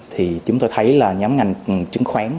thì chúng ta thấy là nhóm ngành chứng khoán